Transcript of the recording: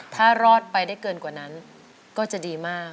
ถ้ารอดไปได้เกินกว่านั้นก็จะดีมาก